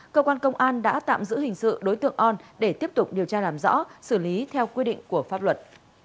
cơ quan công an đã tạm giữ hình sự đối tượng on để tiếp tục điều tra làm rõ xử lý theo quy định của pháp luật